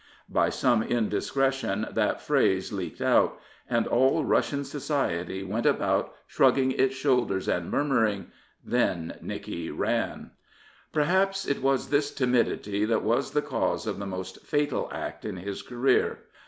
By some indiscretion that phrase leaked out, and all Russian society went about shrugging its shoulders and murmuring, " Then Nickie ran." Perhaps it was this timidity that was the cause of the most fatal act in his career.